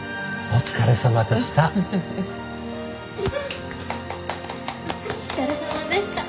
お疲れさまでした。